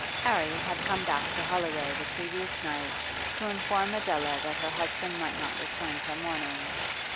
'Arry had come back to Holloway the previous night to inform Adela that her husband might not return till morning.